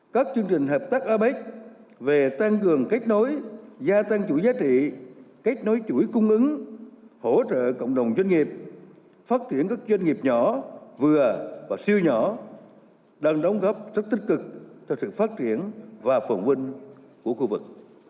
các chương trình hợp tác apec về tăng cường kết nối gia tăng chủ giá trị kết nối chuỗi cung ứng hỗ trợ cộng đồng doanh nghiệp phát triển các doanh nghiệp nhỏ vừa và siêu nhỏ đang đóng góp rất tích cực cho sự phát triển và phồn vinh của khu vực